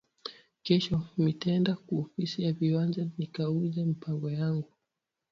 Kesho mitenda ku ofisi ya viwanja nika uze mpango yangu